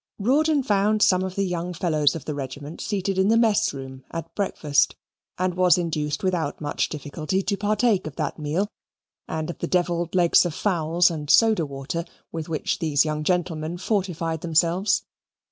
Rawdon found some of the young fellows of the regiment seated in the mess room at breakfast, and was induced without much difficulty to partake of that meal, and of the devilled legs of fowls and soda water with which these young gentlemen fortified themselves.